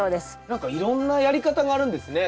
何かいろんなやり方があるんですね。